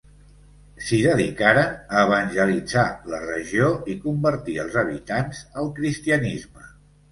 S'hi dedicaren a evangelitzar la regió i convertir els habitants al cristianisme.